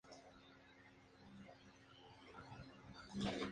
Al final de la historia, Superman y Batman son caballeros del Rey Arturo.